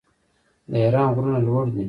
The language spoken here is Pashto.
د ایران غرونه لوړ دي.